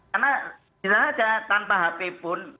karena tidak ada tanpa hp pun